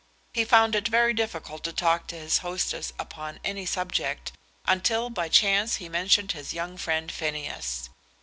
He found it very difficult to talk to his hostess upon any subject, until by chance he mentioned his young friend Phineas.